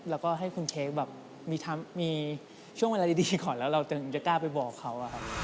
แล้วก็ให้คุณเค้กแบบมีช่วงเวลาดีก่อนแล้วเราจะกล้าไปบอกเขา